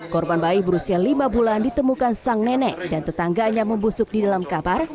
korban bayi berusia lima bulan ditemukan sang nenek dan tetangganya membusuk di dalam kamar